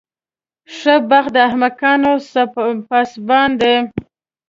ښه بخت د احمقانو پاسبان دی.